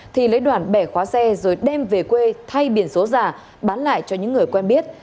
thì lấy đoàn bẻ khóa xe rồi đem về quê thay biển số giả bán lại cho những người quen biết